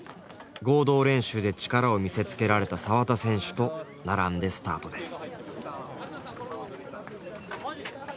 合同練習で力を見せつけられた沢田選手と並んでスタートです。